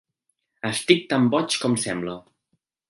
Estic tan boig com sembla.